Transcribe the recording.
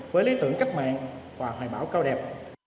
với lý tưởng cách mạng và hoài bảo cao đẹp